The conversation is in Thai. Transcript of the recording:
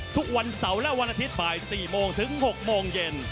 ทุกวันเสาร์และวันอาทิตย์บ่าย๔โมงถึง๖โมงเย็น